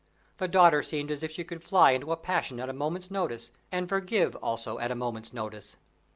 The daughter seemed as if she could fly into a passion at a moment's notice, and forgive also at a moment's notice.